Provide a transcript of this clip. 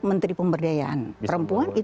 menteri pemberdayaan perempuan